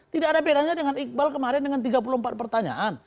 tidak ada bedanya dengan iqbal kemarin dengan tiga puluh empat pertanyaan